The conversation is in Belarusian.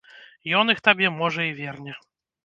Ён іх табе, можа, і верне.